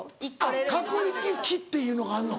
確率機っていうのがあるの？